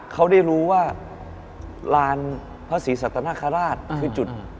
เขาได้รู้ว่าลานพระศรีสัตนคราชคือจุด